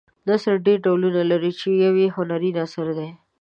نثر ډېر ډولونه لري چې یو یې هنري نثر دی.